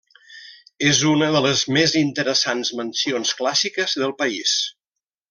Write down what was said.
És una de les més interessants mansions clàssiques del país.